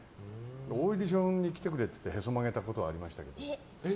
オーディションに来てくれってへそ曲げたことはありましたね。